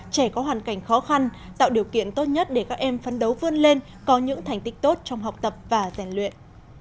trẻ có hoàn cảnh khó khăn tạo điều kiện tốt nhất để các em phấn đấu vươn lên có những thành tích tốt trong học tập và giàn luyện